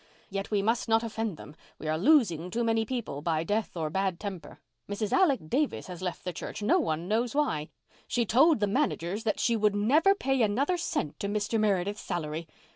Yet we must not offend them. We are losing too many people, by death or bad temper. Mrs. Alec Davis has left the church, no one knows why. She told the managers that she would never pay another cent to Mr. Meredith's salary.